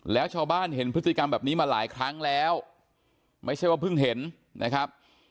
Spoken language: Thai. แล้วชาวบ้านเห็นพฤติกรรมแบบนี้มาหลายครั้งแล้วไม่ใช่ว่าเพิ่งเห็นนะครับ